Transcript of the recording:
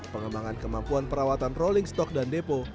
pengembangan kemampuan perawatan rolling stock dan depo